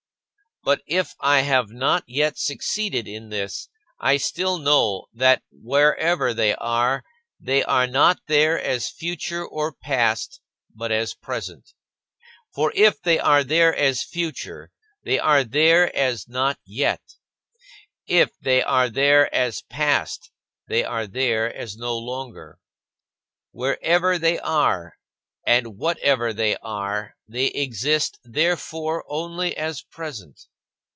But if I have not yet succeeded in this, I still know that wherever they are, they are not there as future or past, but as present. For if they are there as future, they are there as "not yet"; if they are there as past, they are there as "no longer." Wherever they are and whatever they are they exist therefore only as present.